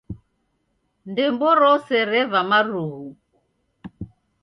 Ndembo rose reva marughu.